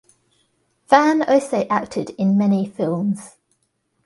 Fan also acted in many films.